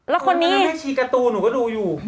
แล้วคนนี้แม่ชีการ์ตูนหนูก็ดูอยู่